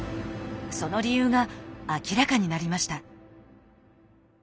その理由が明らかになりました。